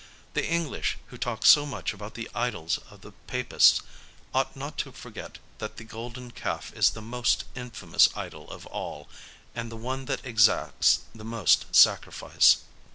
The English, who talk so much about the idols of the papists, ought not to forget that the Golden Calf is the most in famous idol of all, and the one that exacts the most sacrifice.